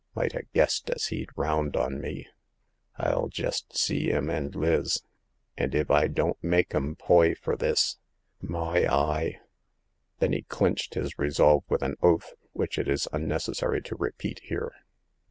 Might ha' guessed as he'd round on me. ril jest see 'im and Liz, and if I don't make 'm paiy fur this, maiy I !" Then he clinched his resolve with an oath, which it is unnecessary to repeat here.